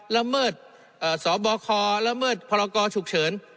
ละเมิดสบคละเมิดพรกรฉุกเฉิน